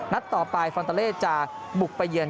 ต่อไปฟอนตาเล่จะบุกไปเยือน